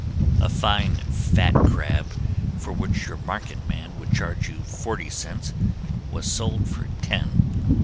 A fine, fat crab for which your market man would charge you forty cents was sold for ten.